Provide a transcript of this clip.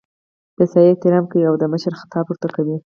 د سیاح احترام کوي او د مشر خطاب ورته کوي.